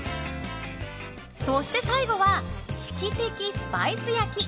そして最後はチキテキスパイス焼き。